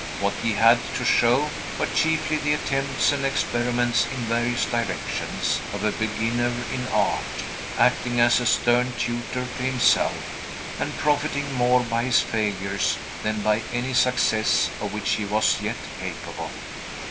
What he had to show were chiefly the attempts and experiments, in various directions, of a beginner in art, acting as a stern tutor to himself, and profiting more by his failures than by any successes of which he was yet capable.